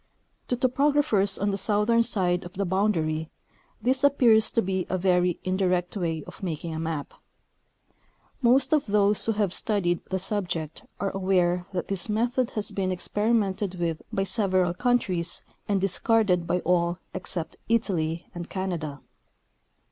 To topographers on the southern side of the boundary this ap pears to be a very indirect way of making a map. Most of those who have studied the subject are aware that this method has been experimented with by several countries and discarded by all except Italy and Canada.